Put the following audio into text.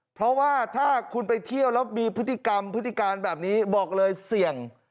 เพราะว่าถ้าคุณไปเที่ยวแล้วมีพฤติกรรมพฤติการแบบนี้บอกเลยเสี่ยง